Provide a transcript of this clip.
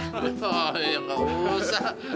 oh ya nggak usah